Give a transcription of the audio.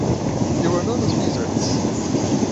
They were known as "wizards".